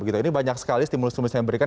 ini banyak sekali stimulus stimulus yang diberikan